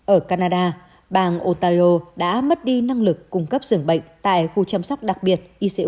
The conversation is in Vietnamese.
ở canada bang ontario đã mất đi năng lực cung cấp dưỡng bệnh tại khu chăm sóc đặc biệt